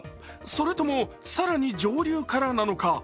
それとも、更に上流からなのか。